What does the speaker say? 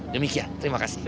demikian terima kasih